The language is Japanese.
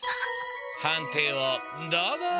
判定をどうぞ。